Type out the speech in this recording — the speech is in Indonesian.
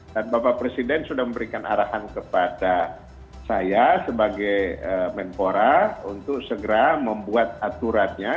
dan bapak presiden sudah memberikan arahan kepada saya sebagai mentora untuk segera membuat aturannya